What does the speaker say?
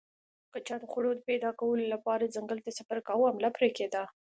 که چا د خوړو پیدا کولو لپاره ځنګل ته سفر کاوه حمله پرې کېده